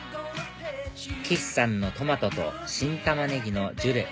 「岸さんのトマトと新たまねぎのジュレ